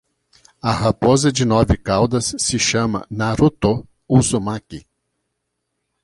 A raposa de nove caudas se chama Naruto Uzumaki